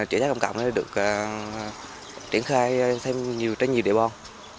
mô hình trẻ trái công cộng được triển khai thêm nhiều trái nhiều địa bòn